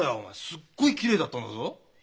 すっごいきれいだったんだぞ。